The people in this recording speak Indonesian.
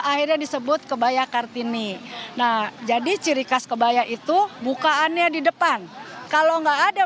akhirnya disebut kebaya kartini nah jadi ciri khas kebaya itu bukaannya di depan kalau enggak ada